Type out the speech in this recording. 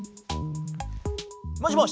もしもし。